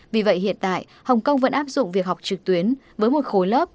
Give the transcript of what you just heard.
vì vậy hiện tại hồng kông vẫn áp dụng việc học trực tuyến với một khối lớp